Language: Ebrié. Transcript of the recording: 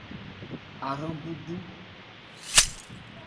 Ahrán bhu du.